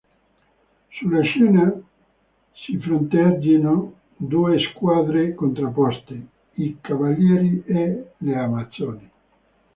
Sulla scena si fronteggiano due squadre contrapposte: i Cavalieri e le Amazzoni.